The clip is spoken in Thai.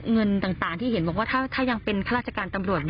เงินต่างที่เห็นว่าถ้ายังเป็นธรรมดุกรรมสำหรับตำรวจ